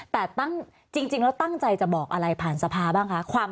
แต่จริงแล้วตั้งใจจะบอกอะไรผ่านสภาบ้างคะ